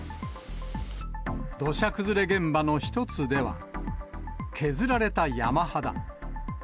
土砂崩れ現場の一つでは、削られた山肌。